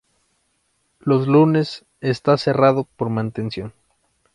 Los lunes está cerrado por mantención.